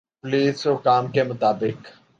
police حکام کا مطابق